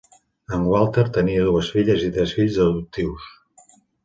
En Walker tenia dues filles i tres fills adoptius.